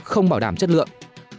không bảo đảm chất lượng